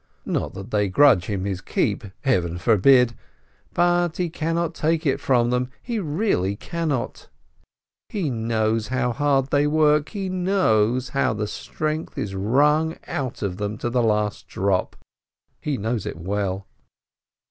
Not that they grudge him his keep — Heaven forbid ! But he cannot take it from them, he really cannot ! He knows how hard they work, he knows how the strength is wrung out of them to the last drop, he knows it well!